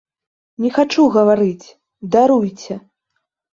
Не хачу гаварыць, даруйце.